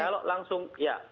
kalau langsung tertular saat itu